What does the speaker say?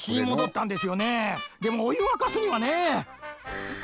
でもおゆわかすにはね。